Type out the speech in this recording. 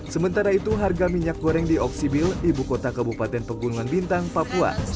sementara itu harga minyak goreng di oksibil ibu kota kabupaten pegunungan bintang papua